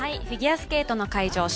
フィギュアスケートの会場